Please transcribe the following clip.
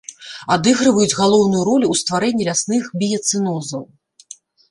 Адыгрываюць галоўную ролю ў стварэнні лясных біяцэнозаў.